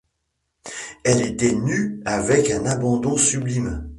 Elle était nue avec un abandon sublime